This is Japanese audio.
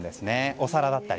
お皿だったり。